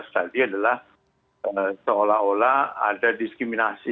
dua belas tadi adalah seolah olah ada diskriminasi